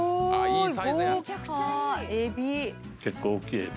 結構大きいエビ。